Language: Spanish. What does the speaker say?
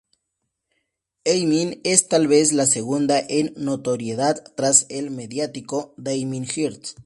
Emin es tal vez la segunda en notoriedad tras el mediático Damien Hirst.